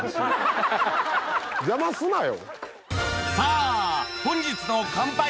邪魔すなよ。